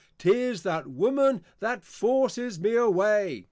'Tis that Woman that forces me away!